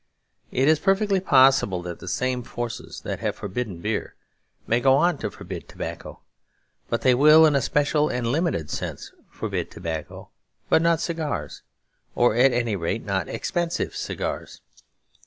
It is perfectly possible that the same forces that have forbidden beer may go on to forbid tobacco. But they will in a special and limited sense forbid tobacco but not cigars. Or at any rate not expensive cigars.